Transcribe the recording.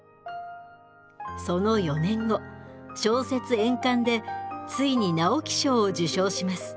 その４年後小説「炎環」でついに直木賞を受賞します。